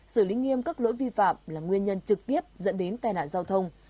xử lý nghiêm các lỗi vi phạm là nguyên nhân trực tiếp dẫn đến tai nạn giao thông